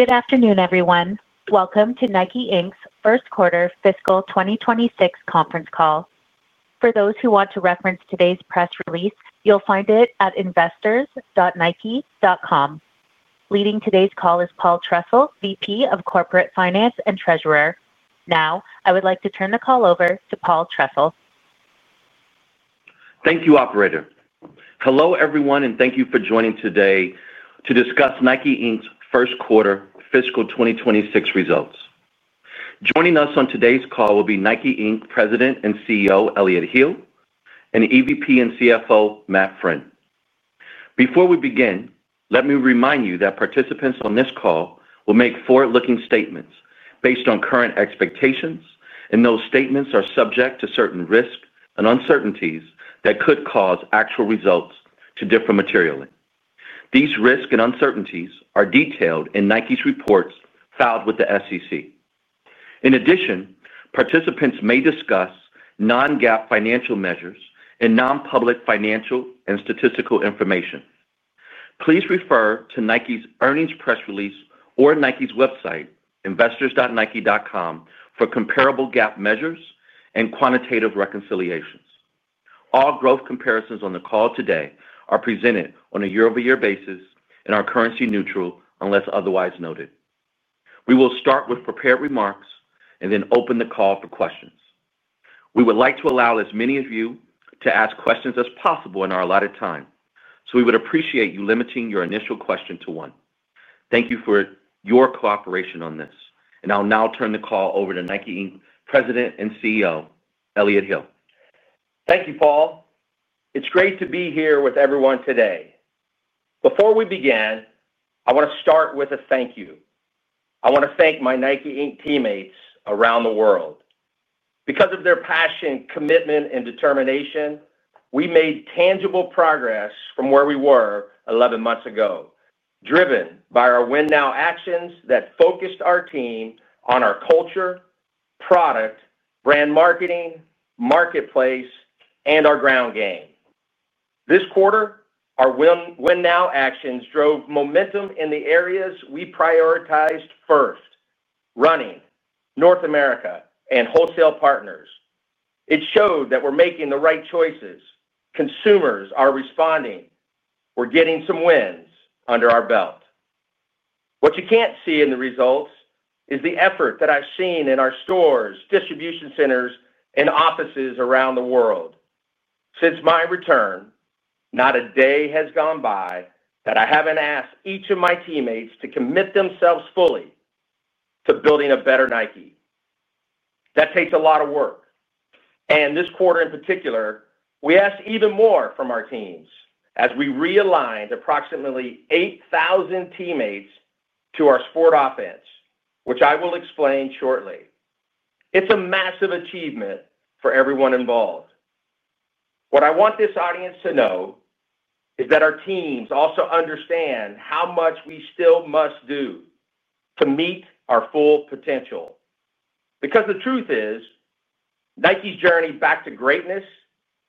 Good afternoon, everyone. Welcome to Nike, Inc.'s First Quarter Fiscal 2026 Conference Call. For those who want to reference today's press release, you'll find it at investors.nike.com. Leading today's call is Paul Trussell, VP of Corporate Finance and Treasurer. Now, I would like to turn the call over to Paul Trussell. Thank you, operator. Hello, everyone, and thank you for joining today to discuss Nike, Inc.'s first quarter fiscal 2026 results. Joining us on today's call will be Nike, Inc. President and CEO Elliott Hill, and EVP and CFO Matt Friend. Before we begin, let me remind you that participants on this call will make forward-looking statements based on current expectations, and those statements are subject to certain risks and uncertainties that could cause actual results to differ materially. These risks and uncertainties are detailed in Nike's reports filed with the SEC. In addition, participants may discuss non-GAAP financial measures and non-public financial and statistical information. Please refer to Nike's earnings press release or Nike's website, investors.nike.com, for comparable GAAP measures and quantitative reconciliations. All growth comparisons on the call today are presented on a year-over-year basis and are currency-neutral unless otherwise noted. We will start with prepared remarks and then open the call for questions. We would like to allow as many of you to ask questions as possible in our allotted time, so we would appreciate you limiting your initial question to one. Thank you for your cooperation on this, and I'll now turn the call over to Nike, Inc. President and CEO Elliott Hill. Thank you, Paul. It's great to be here with everyone today. Before we begin, I want to start with a thank you. I want to thank my Nike, Inc. teammates around the world. Because of their passion, commitment, and determination, we made tangible progress from where we were 11 months ago, driven by our Win Now actions that focused our team on our culture, product, brand marketing, marketplace, and our ground game. This quarter, our Win Now actions drove momentum in the areas we prioritized first: running, North America, and wholesale partners. It showed that we're making the right choices. Consumers are responding. We're getting some wins under our belt. What you can't see in the results is the effort that I've seen in our stores, distribution centers, and offices around the world. Since my return, not a day has gone by that I haven't asked each of my teammates to commit themselves fully to building a better Nike. That takes a lot of work. This quarter in particular, we asked even more from our teams as we realigned approximately 8,000 teammates to our Sport Offense, which I will explain shortly. It's a massive achievement for everyone involved. What I want this audience to know is that our teams also understand how much we still must do to meet our full potential. The truth is, Nike's journey back to greatness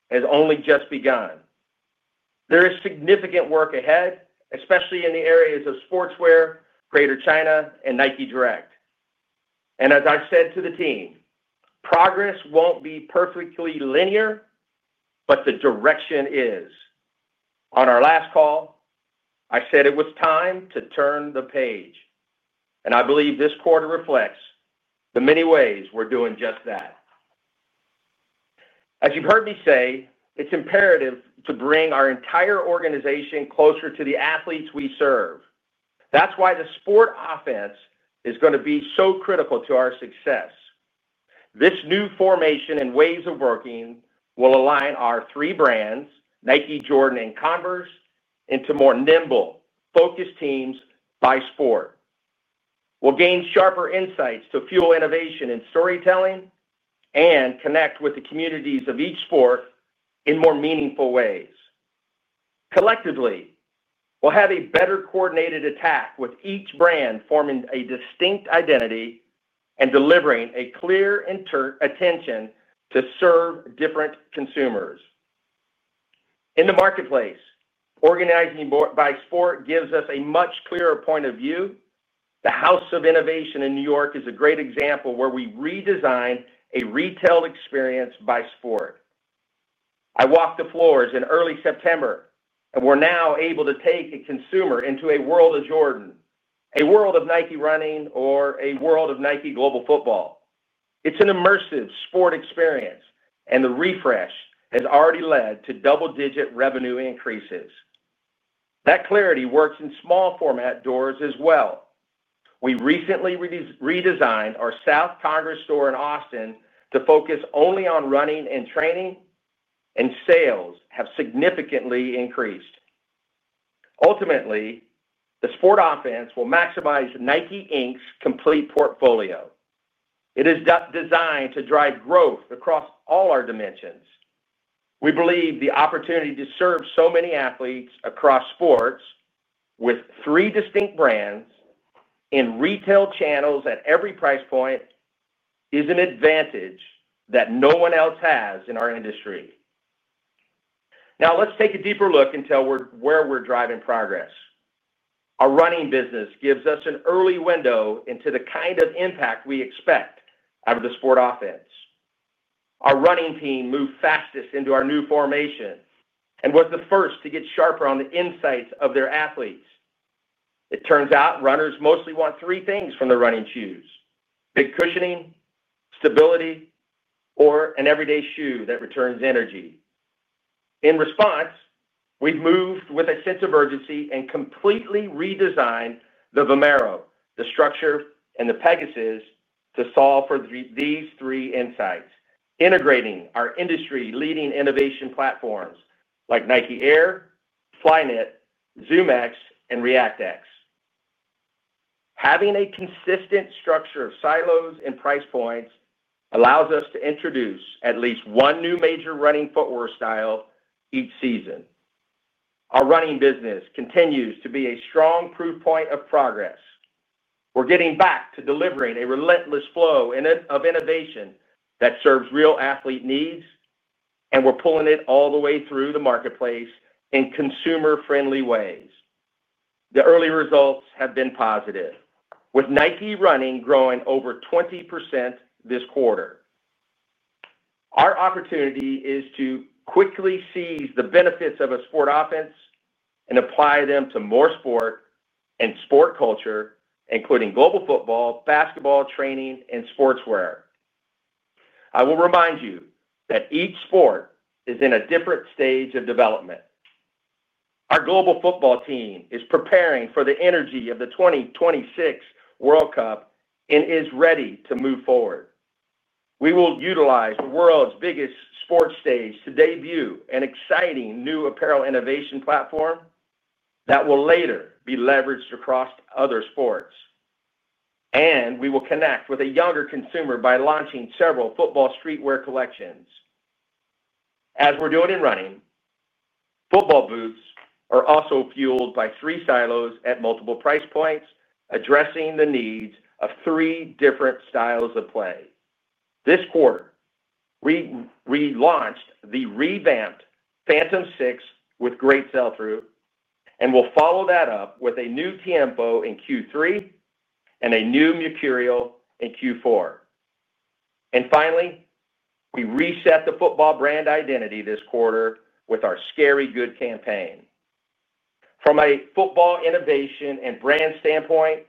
has only just begun. There is significant work ahead, especially in the areas of sportswear, Greater China, and Nike Direct. As I said to the team, progress won't be perfectly linear, but the direction is. On our last call, I said it was time to turn the page. I believe this quarter reflects the many ways we're doing just that. As you've heard me say, it's imperative to bring our entire organization closer to the athletes we serve. That's why the Sport Offense is going to be so critical to our success. This new formation and ways of working will align our three brands, Nike, Jordan, and Converse, into more nimble, focused teams by sport. We'll gain sharper insights to fuel innovation in storytelling and connect with the communities of each sport in more meaningful ways. Collectively, we'll have a better coordinated attack with each brand forming a distinct identity and delivering a clear attention to serve different consumers. In the marketplace, organizing by sport gives us a much clearer point of view. The House of Innovation in New York is a great example where we redesigned a retail experience by sport. I walked the floors in early September, and we're now able to take a consumer into a world of Jordan, a world of Nike running, or a world of Nike global football. It's an immersive sport experience, and the refresh has already led to double-digit revenue increases. That clarity works in small format doors as well. We recently redesigned our South Congress store in Austin to focus only on running and training, and sales have significantly increased. Ultimately, the Sport Offense will maximize Nike, Inc.'s complete portfolio. It is designed to drive growth across all our dimensions. We believe the opportunity to serve so many athletes across sports with three distinct brands in retail channels at every price point is an advantage that no one else has in our industry. Now, let's take a deeper look into where we're driving progress. Our running business gives us an early window into the kind of impact we expect out of the Sport Offense. Our running team moved fastest into our new formation and was the first to get sharper on the insights of their athletes. It turns out runners mostly want three things from their running shoes: big cushioning, stability, or an everyday shoe that returns energy. In response, we've moved with a sense of urgency and completely redesigned the Vomero, the Structure, and the Pegasus to solve for these three insights, integrating our industry-leading innovation platforms like Nike Air, Flyknit, ZoomX, and ReactX. Having a consistent structure of silos and price points allows us to introduce at least one new major running footwear style each season. Our running business continues to be a strong proof point of progress. We're getting back to delivering a relentless flow of innovation that serves real athlete needs, and we're pulling it all the way through the marketplace in consumer-friendly ways. The early results have been positive, with Nike running growing over 20% this quarter. Our opportunity is to quickly seize the benefits of a Sport Offense and apply them to more sport and sport culture, including global football, basketball training, and sportswear. I will remind you that each sport is in a different stage of development. Our global football team is preparing for the energy of the 2026 World Cup and is ready to move forward. We will utilize the world's biggest sports stage to debut an exciting new apparel innovation platform that will later be leveraged across other sports. We will connect with a younger consumer by launching several football streetwear collections. As we're doing in running, football boots are also fueled by three silos at multiple price points, addressing the needs of three different styles of play. This quarter, we relaunched the revamped Phantom 6 with great sell-through and will follow that up with a new Tiempo in Q3 and a new Mercurial in Q4. Finally, we reset the football brand identity this quarter with our SCARY GOOD campaign. From a football innovation and brand standpoint,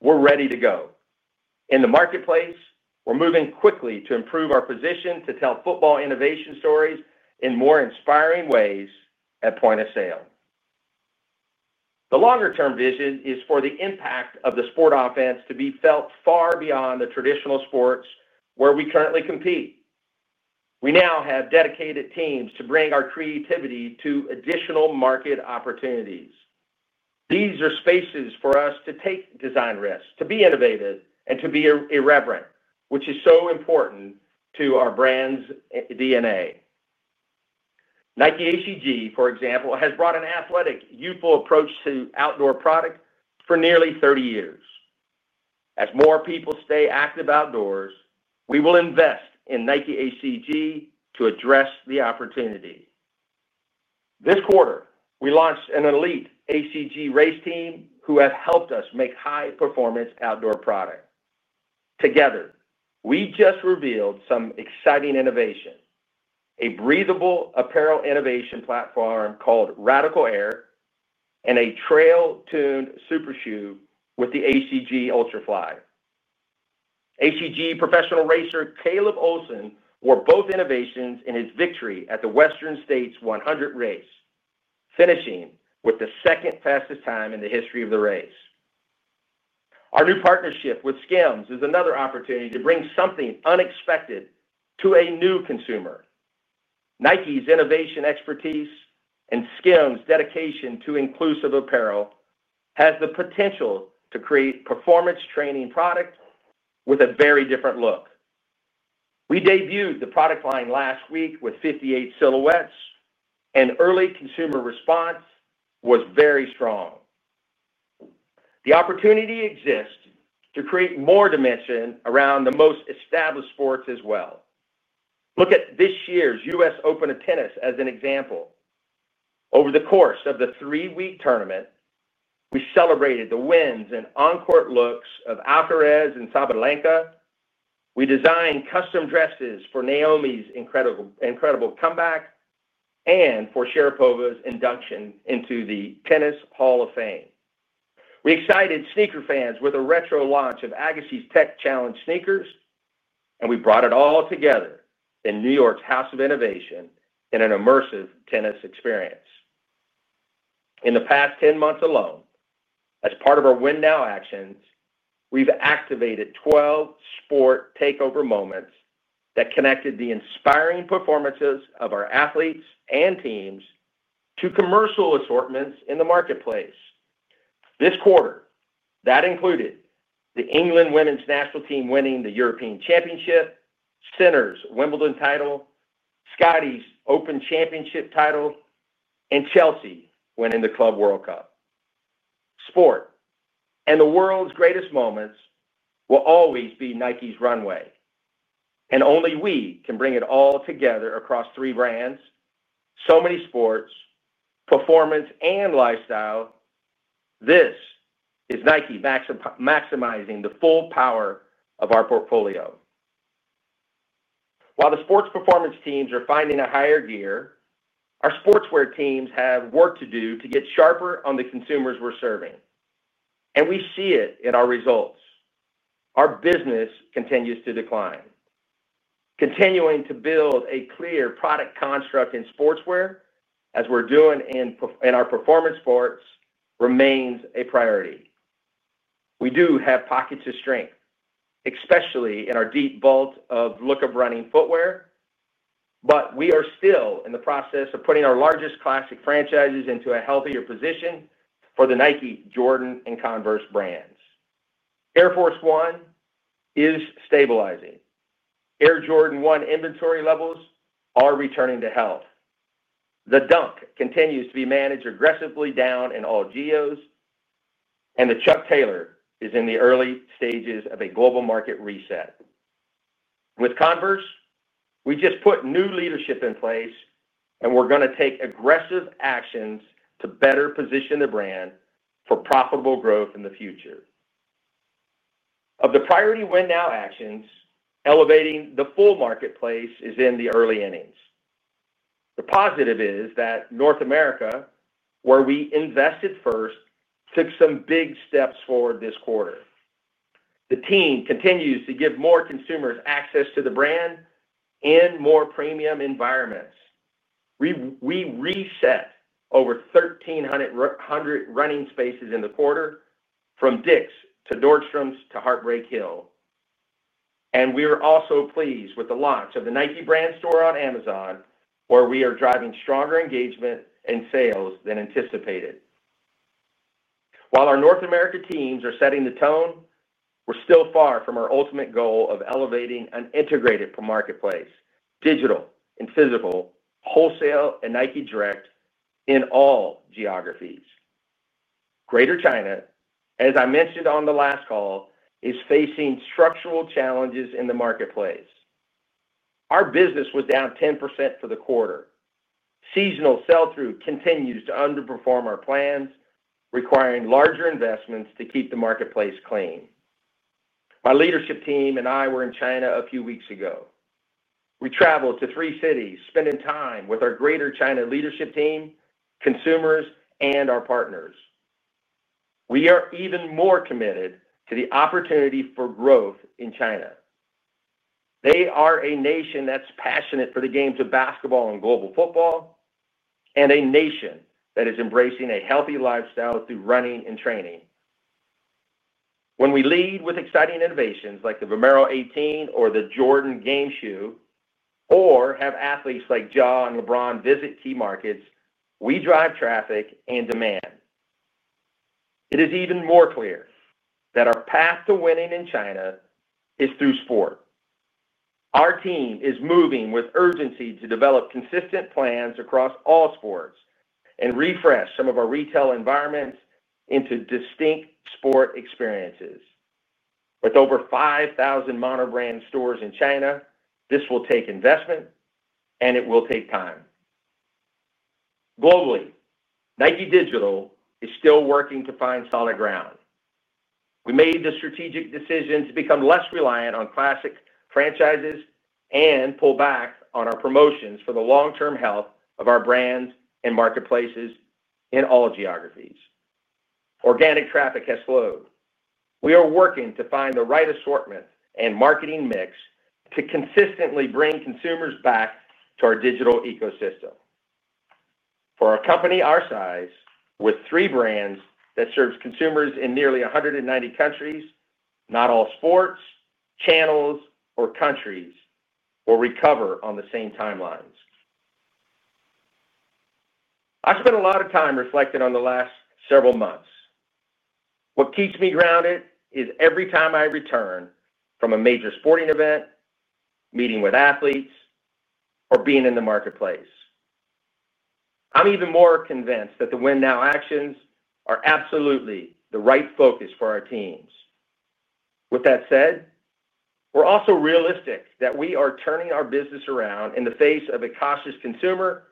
we're ready to go. In the marketplace, we're moving quickly to improve our position to tell football innovation stories in more inspiring ways at point of sale. The longer-term vision is for the impact of the Sport Offense to be felt far beyond the traditional sports where we currently compete. We now have dedicated teams to bring our creativity to additional market opportunities. These are spaces for us to take design risks, to be innovative, and to be irreverent, which is so important to our brand's DNA. Nike ACG, for example, has brought an athletic, youthful approach to outdoor product for nearly 30 years. As more people stay active outdoors, we will invest in Nike ACG to address the opportunity. This quarter, we launched an elite ACG race team who has helped us make high-performance outdoor product. Together, we just revealed some exciting innovations: a breathable apparel innovation platform called Radical Air and a trail-tuned super shoe with the ACG Ultrafly. ACG professional racer Caleb Olson wore both innovations in his victory at the Western States 100 race, finishing with the second-fastest time in the history of the race. Our new partnership with SKIMS is another opportunity to bring something unexpected to a new consumer. Nike's innovation expertise and SKIMS' dedication to inclusive apparel have the potential to create a performance training product with a very different look. We debuted the product line last week with 58 silhouettes, and early consumer response was very strong. The opportunity exists to create more dimension around the most established sports as well. Look at this year's U.S. Open of tennis as an example. Over the course of the three-week tournament, we celebrated the wins and encore looks of Alcaraz and Sabalenka, we designed custom dresses for Naomi's incredible comeback and for Sharapova's induction into the Tennis Hall of Fame. We excited sneaker fans with a retro launch of Agassi's Tech Challenge sneakers, and we brought it all together in New York's House of Innovation in an immersive tennis experience. In the past 10 months alone, as part of our Win Now actions, we've activated 12 sport takeover moments that connected the inspiring performances of our athletes and teams to commercial assortments in the marketplace. This quarter, that included the England women's national team winning the European Championship, Sinner's Wimbledon title, Scottie's Open Championship title, and Chelsea winning the Club World Cup. Sport and the world's greatest moments will always be Nike's runway. Only we can bring it all together across three brands, so many sports, performance, and lifestyle. This is Nike maximizing the full power of our portfolio. While the sports performance teams are finding a higher gear, our sportswear teams have work to do to get sharper on the consumers we're serving. We see it in our results. Our business continues to decline. Continuing to build a clear product construct in sportswear, as we're doing in our performance sports, remains a priority. We do have pockets of strength, especially in our deep vault of look-of-running footwear, but we are still in the process of putting our largest classic franchises into a healthier position for the Nike, Jordan, and Converse brands. Air Force 1 is stabilizing. Air Jordan 1 inventory levels are returning to health. The Dunk continues to be managed aggressively down in all geos, and the Chuck Taylor is in the early stages of a global market reset. With Converse, we just put new leadership in place, and we're going to take aggressive actions to better position the brand for profitable growth in the future. Of the priority Win Now actions, elevating the full marketplace is in the early innings. The positive is that North America, where we invested first, took some big steps forward this quarter. The team continues to give more consumers access to the brand in more premium environments. We reset over 1,300 running spaces in the quarter, from DICK'S to Nordstrom to Heartbreak Hill. We were also pleased with the launch of the Nike brand store on Amazon, where we are driving stronger engagement in sales than anticipated. While our North America teams are setting the tone, we're still far from our ultimate goal of elevating an integrated marketplace, digital and physical, wholesale and Nike Direct in all geographies. Greater China, as I mentioned on the last call, is facing structural challenges in the marketplace. Our business was down 10% for the quarter. Seasonal sell-through continues to underperform our plans, requiring larger investments to keep the marketplace clean. My leadership team and I were in China a few weeks ago. We traveled to three cities, spending time with our Greater China leadership team, consumers, and our partners. We are even more committed to the opportunity for growth in China. They are a nation that's passionate for the games of basketball and global football, and a nation that is embracing a healthy lifestyle through running and training. When we lead with exciting innovations like the Vomero 18 or the Jordan game shoe, or have athletes like Ja and LeBron visit key markets, we drive traffic and demand. It is even more clear that our path to winning in China is through sport. Our team is moving with urgency to develop consistent plans across all sports and refresh some of our retail environments into distinct sport experiences. With over 5,000 monobrand stores in China, this will take investment, and it will take time. Globally, Nike Digital is still working to find solid ground. We made the strategic decision to become less reliant on classic franchises and pull back on our promotions for the long-term health of our brands and marketplaces in all geographies. Organic traffic has slowed. We are working to find the right assortment and marketing mix to consistently bring consumers back to our digital ecosystem. For a company our size, with three brands that serve consumers in nearly 190 countries, not all sports, channels, or countries will recover on the same timelines. I spent a lot of time reflecting on the last several months. What keeps me grounded is every time I return from a major sporting event, meeting with athletes, or being in the marketplace. I'm even more convinced that the Win Now actions are absolutely the right focus for our teams. With that said, we're also realistic that we are turning our business around in the face of a cautious consumer,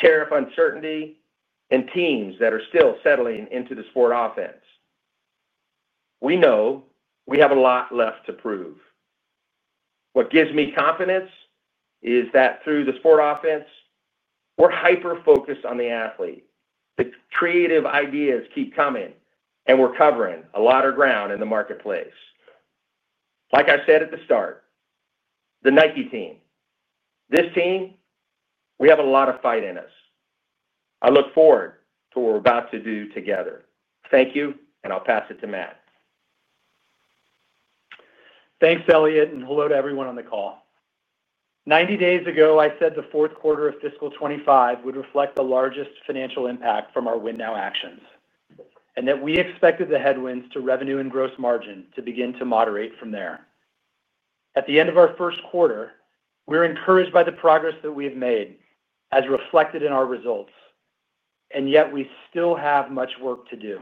tariff uncertainty, and teams that are still settling into the Sport Offense. We know we have a lot left to prove. What gives me confidence is that through the Sport Offense, we're hyper-focused on the athlete. The creative ideas keep coming, and we're covering a lot of ground in the marketplace. Like I said at the start, the Nike team, this team, we have a lot of fight in us. I look forward to what we're about to do together. Thank you, and I'll pass it to Matt. Thanks, Elliott, and hello to everyone on the call. 90 days ago, I said the fourth quarter of fiscal 2025 would reflect the largest financial impact from our Win Now actions, and that we expected the headwinds to revenue and gross margin to begin to moderate from there. At the end of our first quarter, we're encouraged by the progress that we have made, as reflected in our results, yet we still have much work to do.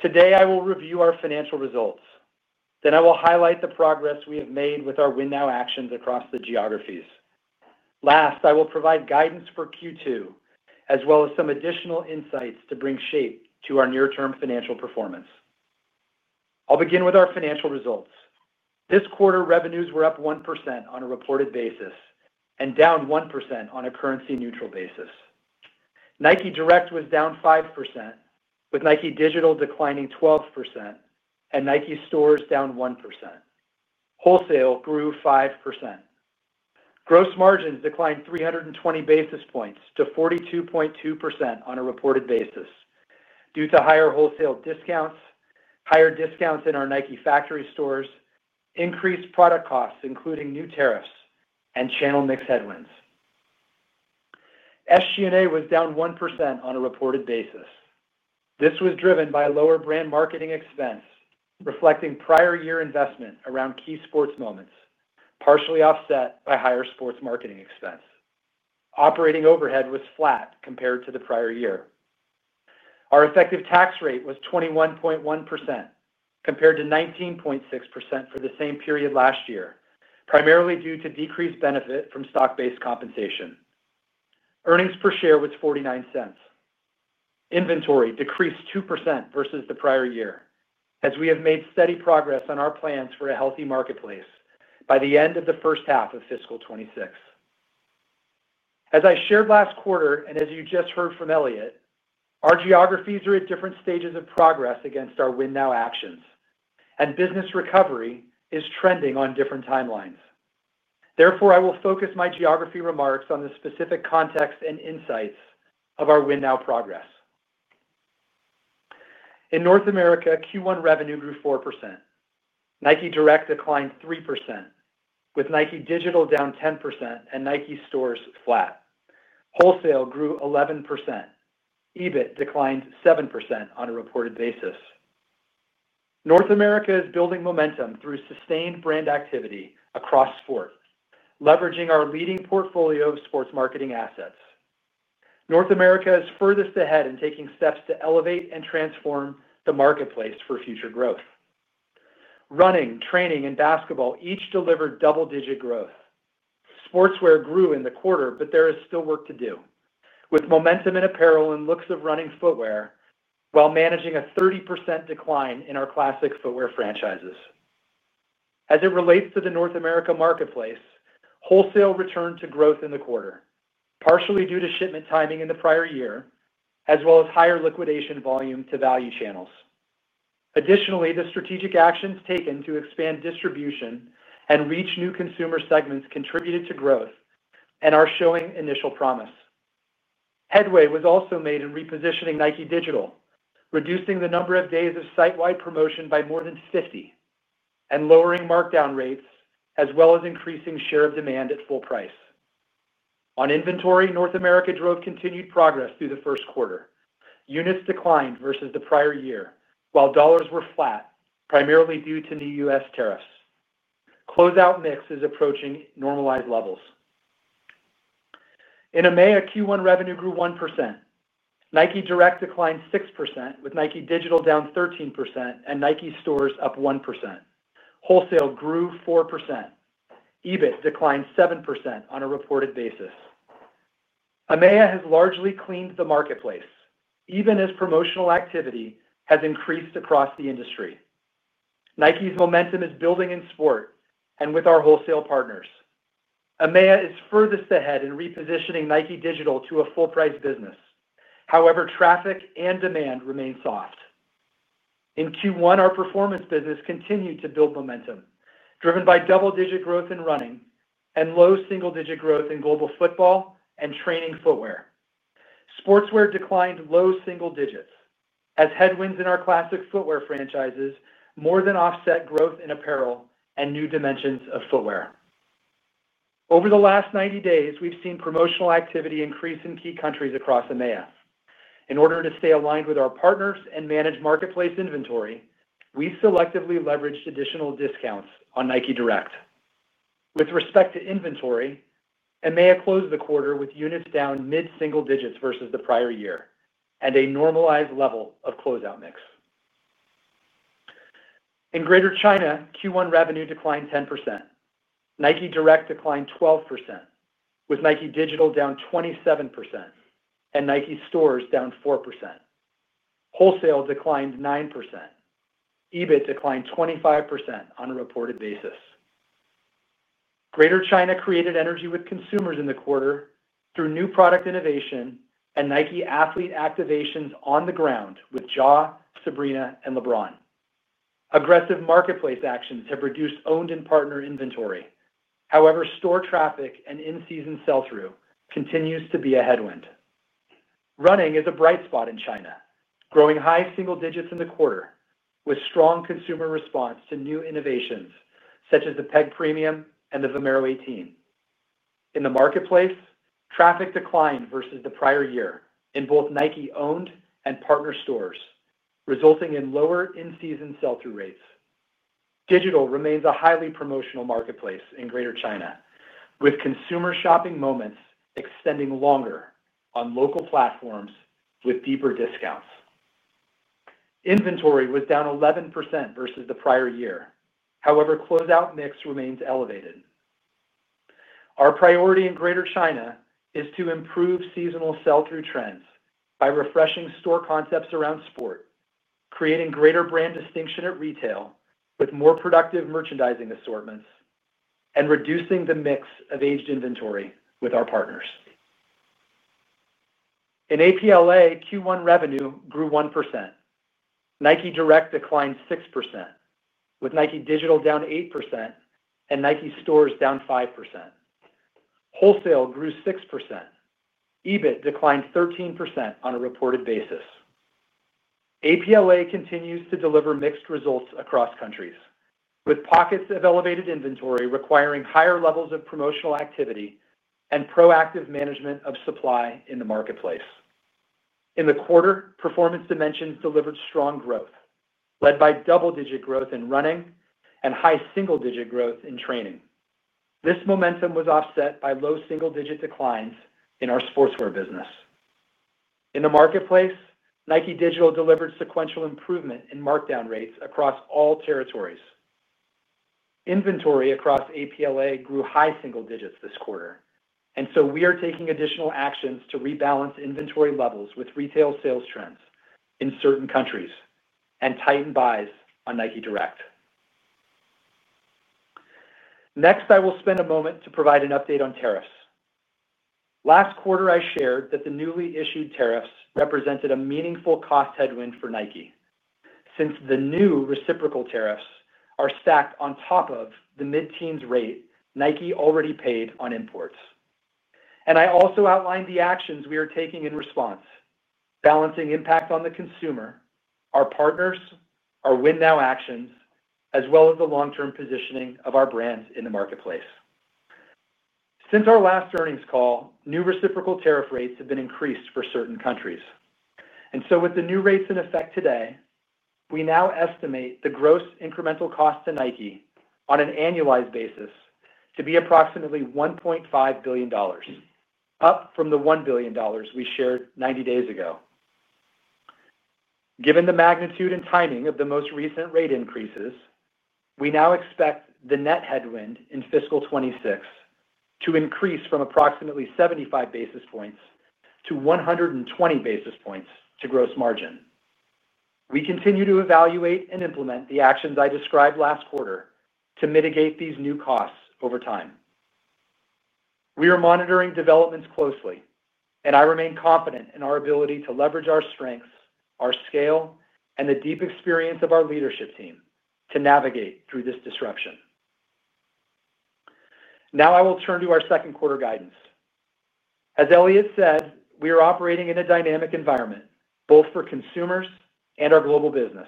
Today, I will review our financial results. I will highlight the progress we have made with our Win Now actions across the geographies. Last, I will provide guidance for Q2, as well as some additional insights to bring shape to our near-term financial performance. I'll begin with our financial results. This quarter, revenues were up 1% on a reported basis and down 1% on a currency-neutral basis. Nike Direct was down 5%, with Nike Digital declining 12%, and Nike stores down 1%. Wholesale grew 5%. Gross margins declined 320 basis points to 42.2% on a reported basis due to higher wholesale discounts, higher discounts in our Nike factory stores, increased product costs, including new tariffs, and channel mix headwinds. SG&A was down 1% on a reported basis. This was driven by a lower brand marketing expense, reflecting prior year investment around key sports moments, partially offset by higher sports marketing expense. Operating overhead was flat compared to the prior year. Our effective tax rate was 21.1% compared to 19.6% for the same period last year, primarily due to decreased benefit from stock-based compensation. Earnings per share was $0.49. Inventory decreased 2% versus the prior year, as we have made steady progress on our plans for a healthy marketplace by the end of the first half of fiscal 2026. As I shared last quarter, and as you just heard from Elliott, our geographies are at different stages of progress against our Win Now actions, and business recovery is trending on different timelines. Therefore, I will focus my geography remarks on the specific context and insights of our Win Now progress. In North America, Q1 revenue grew 4%. Nike Direct declined 3%, with Nike Digital down 10% and Nike stores flat. Wholesale grew 11%. EBIT declined 7% on a reported basis. North America is building momentum through sustained brand activity across sport, leveraging our leading portfolio of sports marketing assets. North America is furthest ahead in taking steps to elevate and transform the marketplace for future growth. Running, training, and basketball each delivered double-digit growth. Sportswear grew in the quarter, but there is still work to do, with momentum in apparel and looks of running footwear, while managing a 30% decline in our classic footwear franchises. As it relates to the North America marketplace, wholesale returned to growth in the quarter, partially due to shipment timing in the prior year, as well as higher liquidation volume to value channels. Additionally, the strategic actions taken to expand distribution and reach new consumer segments contributed to growth and are showing initial promise. Headway was also made in repositioning Nike Digital, reducing the number of days of site-wide promotion by more than 50% and lowering markdown rates, as well as increasing share of demand at full price. On inventory, North America drove continued progress through the first quarter. Units declined versus the prior year, while dollars were flat, primarily due to new U.S. tariffs. Closeout mix is approaching normalized levels. In EMEA, Q1 revenue grew 1%. Nike Direct declined 6%, with Nike Digital down 13% and Nike stores up 1%. Wholesale grew 4%. EBIT declined 7% on a reported basis. EMEA has largely cleaned the marketplace, even as promotional activity has increased across the industry. Nike's momentum is building in sport and with our wholesale partners. EMEA is furthest ahead in repositioning Nike Digital to a full-price business. However, traffic and demand remain soft. In Q1, our performance business continued to build momentum, driven by double-digit growth in running and low single-digit growth in global football and training footwear. Sportswear declined low single digits, as headwinds in our classic footwear franchises more than offset growth in apparel and new dimensions of footwear. Over the last 90 days, we've seen promotional activity increase in key countries across EMEA. In order to stay aligned with our partners and manage marketplace inventory, we selectively leveraged additional discounts on Nike Direct. With respect to inventory, EMEA closed the quarter with units down mid-single digits versus the prior year and a normalized level of closeout mix. In Greater China, Q1 revenue declined 10%. Nike Direct declined 12%, with Nike Digital down 27% and Nike stores down 4%. Wholesale declined 9%. EBIT declined 25% on a reported basis. Greater China created energy with consumers in the quarter through new product innovation and Nike athlete activations on the ground with Ja, Sabrina, and LeBron. Aggressive marketplace actions have reduced owned and partner inventory. However, store traffic and in-season sell-through continues to be a headwind. Running is a bright spot in China, growing high single digits in the quarter, with strong consumer response to new innovations such as the Peg Premium and the Vomero 18. In the marketplace, traffic declined versus the prior year in both Nike owned and partner stores, resulting in lower in-season sell-through rates. Digital remains a highly promotional marketplace in Greater China, with consumer shopping moments extending longer on local platforms with deeper discounts. Inventory was down 11% versus the prior year. However, closeout mix remains elevated. Our priority in Greater China is to improve seasonal sell-through trends by refreshing store concepts around sport, creating greater brand distinction at retail with more productive merchandising assortments, and reducing the mix of aged inventory with our partners. In APLA, Q1 revenue grew 1%. Nike Direct declined 6%, with Nike Digital down 8% and Nike stores down 5%. Wholesale grew 6%. EBIT declined 13% on a reported basis. APLA continues to deliver mixed results across countries, with pockets of elevated inventory requiring higher levels of promotional activity and proactive management of supply in the marketplace. In the quarter, performance dimensions delivered strong growth, led by double-digit growth in running and high single-digit growth in training. This momentum was offset by low single-digit declines in our sportswear business. In the marketplace, Nike Digital delivered sequential improvement in markdown rates across all territories. Inventory across APLA grew high single digits this quarter, and so we are taking additional actions to rebalance inventory levels with retail sales trends in certain countries and tighten buys on Nike Direct. Next, I will spend a moment to provide an update on tariffs. Last quarter, I shared that the newly issued tariffs represented a meaningful cost headwind for Nike, since the new reciprocal tariffs are stacked on top of the mid-teens rate Nike already paid on imports. I also outlined the actions we are taking in response, balancing impact on the consumer, our partners, our Win Now actions, as well as the long-term positioning of our brands in the marketplace. Since our last earnings call, new reciprocal tariff rates have been increased for certain countries. With the new rates in effect today, we now estimate the gross incremental cost to Nike on an annualized basis to be approximately $1.5 billion, up from the $1 billion we shared 90 days ago. Given the magnitude and timing of the most recent rate increases, we now expect the net headwind in fiscal 2026 to increase from approximately 75 basis points to 120 basis points to gross margin. We continue to evaluate and implement the actions I described last quarter to mitigate these new costs over time. We are monitoring developments closely, and I remain confident in our ability to leverage our strengths, our scale, and the deep experience of our leadership team to navigate through this disruption. Now, I will turn to our second quarter guidance. As Elliott said, we are operating in a dynamic environment, both for consumers and our global business.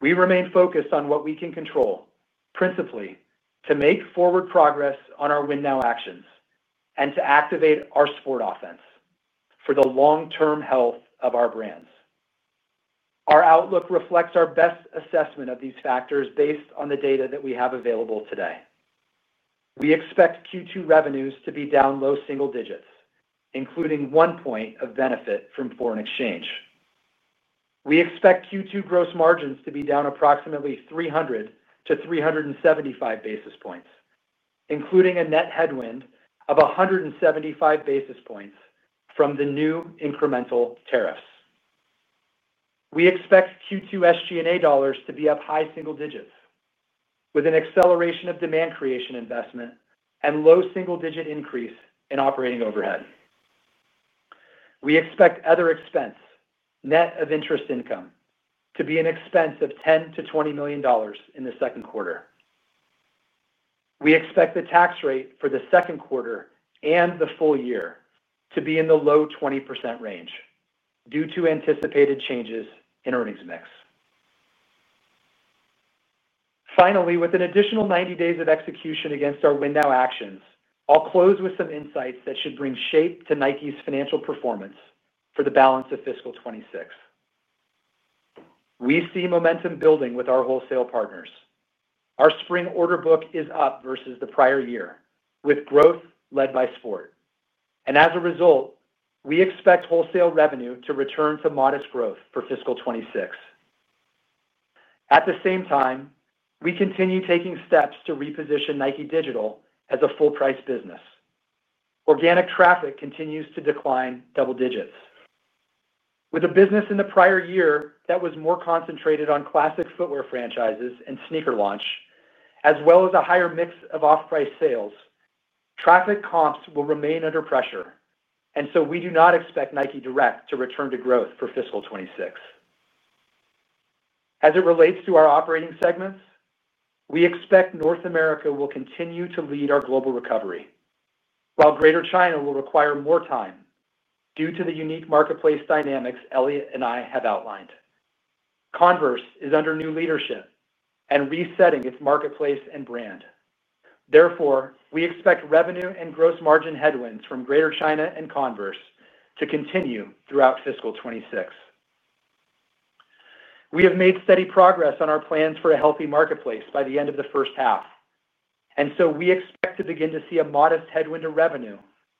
We remain focused on what we can control, principally to make forward progress on our Win Now actions and to activate our Sport Offense for the long-term health of our brands. Our outlook reflects our best assessment of these factors based on the data that we have available today. We expect Q2 revenues to be down low single digits, including one point of benefit from foreign exchange. We expect Q2 gross margins to be down approximately 300-375 basis points, including a net headwind of 175 basis points from the new incremental tariffs. We expect Q2 SG&A dollars to be up high single digits, with an acceleration of demand creation investment and low single-digit increase in operating overhead. We expect other expense, net of interest income, to be an expense of $10 million-$20 million in the second quarter. We expect the tax rate for the second quarter and the full year to be in the low 20% range due to anticipated changes in earnings mix. Finally, with an additional 90 days of execution against our Win Now actions, I'll close with some insights that should bring shape to Nike's financial performance for the balance of fiscal 2026. We see momentum building with our wholesale partners. Our spring order book is up versus the prior year, with growth led by sport. As a result, we expect wholesale revenue to return to modest growth for fiscal 2026. At the same time, we continue taking steps to reposition Nike Digital as a full-price business. Organic traffic continues to decline double digits. With a business in the prior year that was more concentrated on classic footwear franchises and sneaker launch, as well as a higher mix of off-price sales, traffic comps will remain under pressure. We do not expect Nike Direct to return to growth for fiscal 2026. As it relates to our operating segments, we expect North America will continue to lead our global recovery, while Greater China will require more time due to the unique marketplace dynamics Elliott and I have outlined. Converse is under new leadership and resetting its marketplace and brand. Therefore, we expect revenue and gross margin headwinds from Greater China and Converse to continue throughout fiscal 2026. We have made steady progress on our plans for a healthy marketplace by the end of the first half, and we expect to begin to see a modest headwind of revenue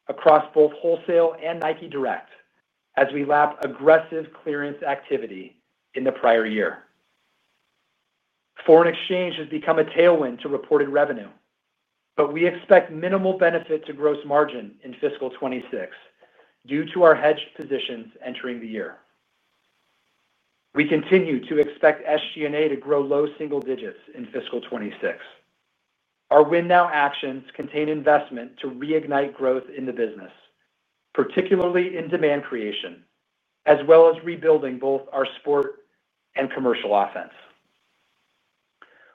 across both wholesale and Nike Direct as we lap aggressive clearance activity in the prior year. Foreign exchange has become a tailwind to reported revenue, but we expect minimal benefit to gross margin in fiscal 2026 due to our hedge positions entering the year. We continue to expect SG&A to grow low single digits in fiscal 2026. Our Win Now actions contain investment to reignite growth in the business, particularly in demand creation, as well as rebuilding both our sport and commercial offense.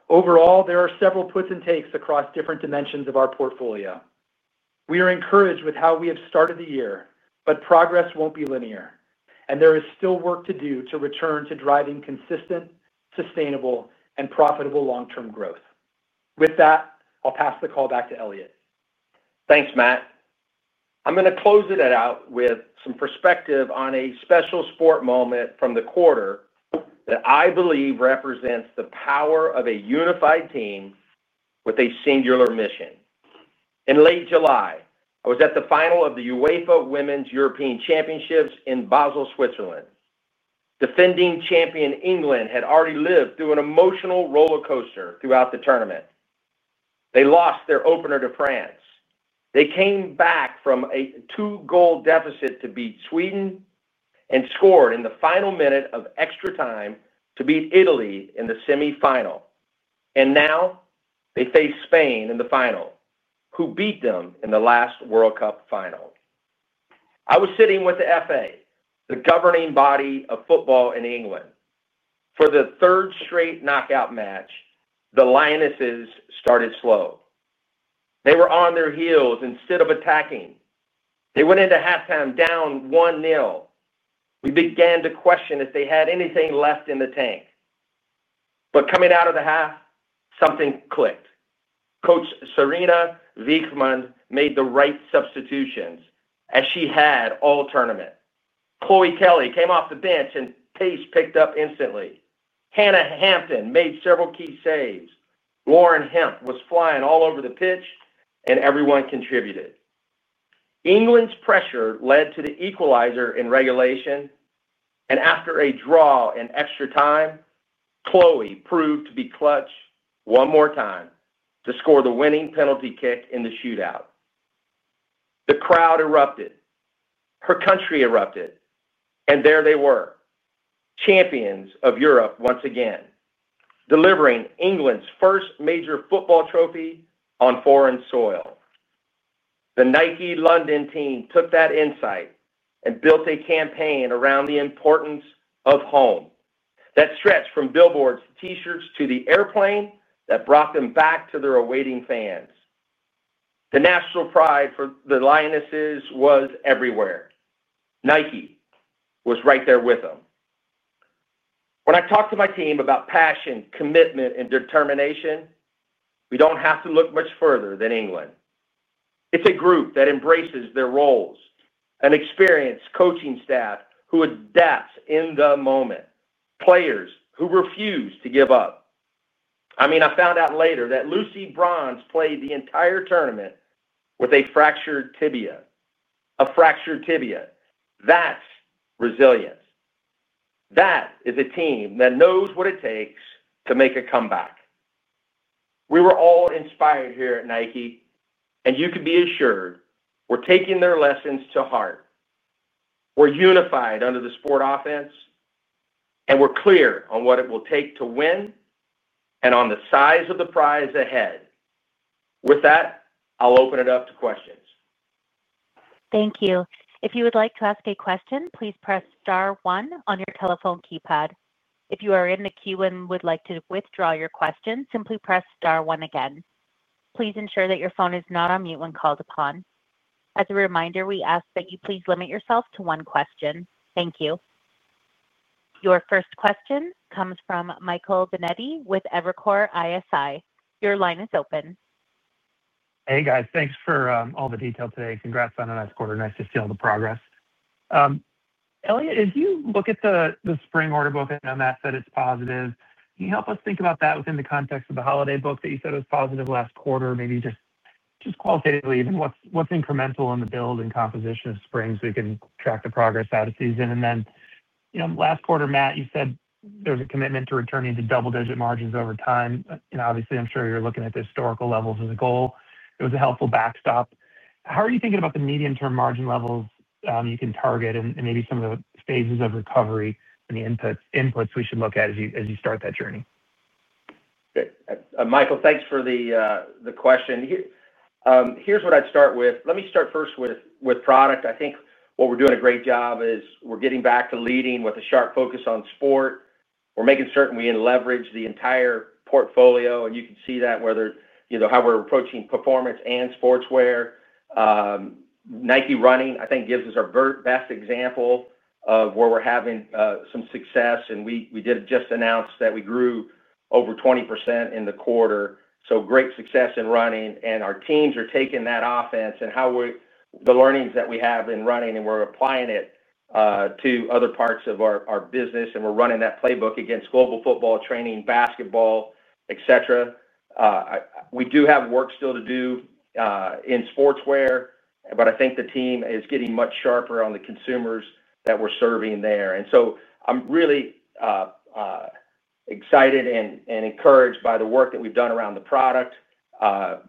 Overall, there are several puts and takes across different dimensions of our portfolio. We are encouraged with how we have started the year, but progress won't be linear, and there is still work to do to return to driving consistent, sustainable, and profitable long-term growth. With that, I'll pass the call back to Elliott. Thanks, Matt. I am going to close it out with some perspective on a special sport moment from the quarter that I believe represents the power of a unified team with a singular mission. In late July, I was at the final of the UEFA Women's European Championships in Basel, Switzerland. Defending champion England had already lived through an emotional roller coaster throughout the tournament. They lost their opener to France. They came back from a two-goal deficit to beat Sweden and scored in the final minute of extra time to beat Italy in the semifinal. Now they face Spain in the final, who beat them in the last World Cup final. I was sitting with the FA, the governing body of football in England. For the third straight knockout match, the Lionesses started slow. They were on their heels instead of attacking. They went into halftime down one-nil. We began to question if they had anything left in the tank. Coming out of the half, something clicked. Coach Sarina Wiegman made the right substitutions, as she had all tournament. Chloe Kelly came off the bench and pace picked up instantly. Hannah Hampton made several key saves. Lauren Hemp was flying all over the pitch, and everyone contributed. England's pressure led to the equalizer in regulation, and after a draw and extra time, Chloe proved to be clutch one more time to score the winning penalty kick in the shootout. The crowd erupted. Her country erupted. There they were, champions of Europe once again, delivering England's first major football trophy on foreign soil. The Nike London team took that insight and built a campaign around the importance of home that stretched from billboards to T-shirts to the airplane that brought them back to their awaiting fans. The national pride for the Lionesses was everywhere. Nike was right there with them. When I talk to my team about passion, commitment, and determination, we do not have to look much further than England. It is a group that embraces their roles, an experienced coaching staff who adapts in the moment, players who refuse to give up. I found out later that Lucy Bronze played the entire tournament with a fractured tibia. A fractured tibia. That is resilience. That is a team that knows what it takes to make a comeback. We were all inspired here at Nike, and you can be assured we are taking their lessons to heart. We are unified under the Sport Offense, and we are clear on what it will take to win and on the size of the prize ahead. With that, I will open it up to questions. Thank you. If you would like to ask a question, please press star one on your telephone keypad. If you are in the queue and would like to withdraw your question, simply press star one again. Please ensure that your phone is not on mute when called upon. As a reminder, we ask that you please limit yourself to one question. Thank you. Your first question comes from Michael Binetti with Evercore ISI. Your line is open. Hey, guys. Thanks for all the detail today. Congrats on a nice quarter. Nice to see all the progress. Elliott, if you look at the spring order book and Matt said it's positive, can you help us think about that within the context of the holiday book that you said was positive last quarter? Maybe just qualitatively, even what's incremental in the build and composition of spring so we can track the progress out of season. Last quarter, Matt, you said there's a commitment to returning to double-digit margins over time. Obviously, I'm sure you're looking at the historical levels as a goal. It was a helpful backstop. How are you thinking about the medium-term margin levels you can target and maybe some of the phases of recovery and the inputs we should look at as you start that journey? Michael, thanks for the question. Here's what I'd start with. Let me start first with product. I think what we're doing a great job is we're getting back to leading with a sharp focus on sport. We're making certain we leverage the entire portfolio, and you can see that whether you know how we're approaching performance and sportswear. Nike running, I think, gives us our best example of where we're having some success. We did just announce that we grew over 20% in the quarter. Great success in running. Our teams are taking that offense and how we're the learnings that we have in running, and we're applying it to other parts of our business. We're running that playbook against global football, training, basketball, et cetera. We do have work still to do in sportswear, but I think the team is getting much sharper on the consumers that we're serving there. I'm really excited and encouraged by the work that we've done around the product.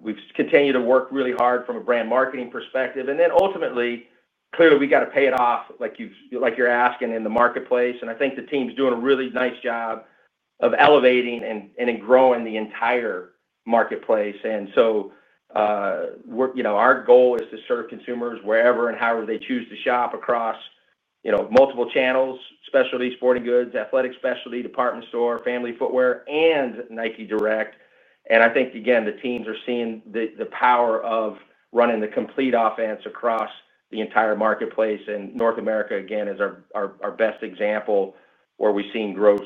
We've continued to work really hard from a brand marketing perspective. Ultimately, clearly, we got to pay it off like you're asking in the marketplace. I think the team's doing a really nice job of elevating and growing the entire marketplace. Our goal is to serve consumers wherever and however they choose to shop across multiple channels: specialty sporting goods, athletic specialty, department store, family footwear, and Nike Direct. I think, again, the teams are seeing the power of running the complete offense across the entire marketplace. North America, again, is our best example where we've seen growth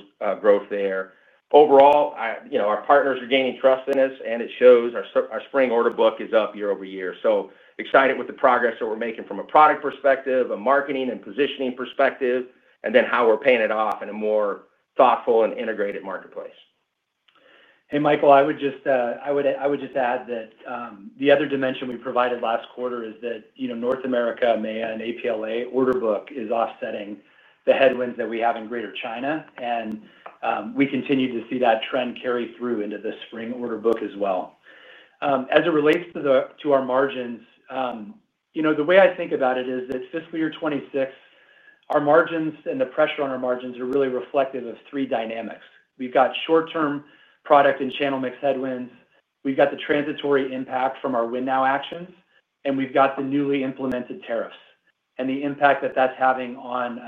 there. Overall, our partners are gaining trust in us, and it shows our spring order book is up year over year. Excited with the progress that we're making from a product perspective, a marketing and positioning perspective, and then how we're paying it off in a more thoughtful and integrated marketplace. Hey, Michael, I would just add that the other dimension we provided last quarter is that North America, EMEA, and APLA order book is offsetting the headwinds that we have in Greater China. We continue to see that trend carry through into the spring order book as well. As it relates to our margins, the way I think about it is that fiscal year 2026, our margins and the pressure on our margins are really reflective of three dynamics. We've got short-term product and channel mix headwinds. We've got the transitory impact from our Win Now actions, and we've got the newly implemented tariffs and the impact that that's having on